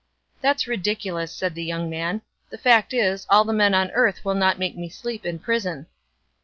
"That's ridiculous," said the young man; "the fact is, all the men on earth will not make me sleep in prison."